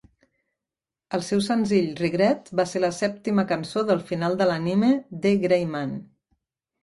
El seu senzill "Regret" va ser la sèptima cançó del final de l'anime "D. Gray-man".